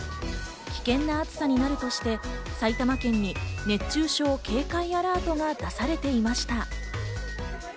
危険な暑さになるとして、埼玉県に熱中症警戒アラートが出されていました。